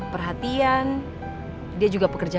perhatian dia juga pekerja